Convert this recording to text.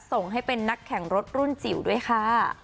ส่งให้เป็นนักแข่งรถรุ่นจิ๋วด้วยค่ะ